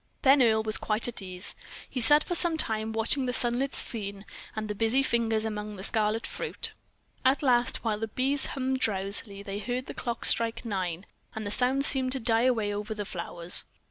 Then Earle was quite at ease. He sat for some time watching the sunlit scene, and the busy fingers among the scarlet fruit. At last, while the bees hummed drowsily, they heard the clock strike nine; and the sound seemed to die away over the flowers.